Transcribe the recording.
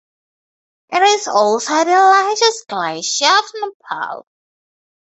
It is also the largest Glacier of Nepal.